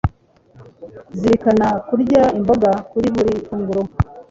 Zirikana kurya imboga kuri buri funguro